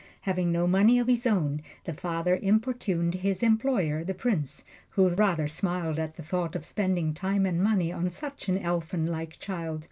Having no money of his own, the father importuned his employer, the Prince, who rather smiled at the thought of spending time and money on such an elfin like child.